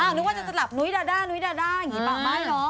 อ้าวนึกว่าจะสลับนุ้ยดานุ้ยดาอย่างนี้ปะไม่เหรอ